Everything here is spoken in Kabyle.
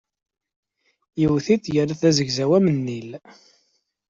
Yewwet-it, yerra-t d azegzaw am nnil.